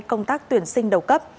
công tác tuyển sinh đầu cấp